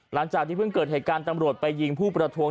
หลังจากที่เพิ่งเกิดเหตุการณ์ตำรวจไปยิงผู้ประท้วง